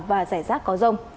và rải rác có rông